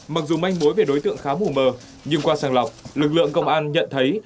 mặc dù manh mối về đối tượng khá mù mờ nhưng qua sàng lọc lực lượng công an nhận thấy